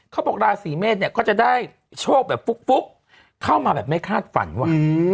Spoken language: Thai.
เขาบอกราศีเมษเนี่ยก็จะได้โชคแบบฟุกเข้ามาแบบไม่คาดฝันว่ะ